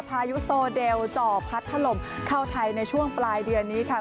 พายุโซเดลจ่อพัดถล่มเข้าไทยในช่วงปลายเดือนนี้ค่ะ